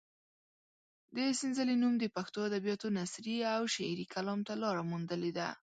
د سنځلې نوم د پښتو ادبیاتو نثري او شعري کلام ته لاره موندلې ده.